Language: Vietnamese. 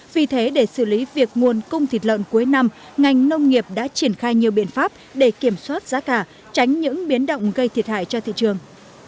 vì thế để xử lý việc nguồn cung thịt lợn cuối năm ngành nông nghiệp đã triển khai nhiều biện pháp để kiểm soát giá cả tránh những biến động gây thiệt hại cho thị trường